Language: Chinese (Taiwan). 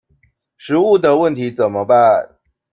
食物的問題怎麼辦？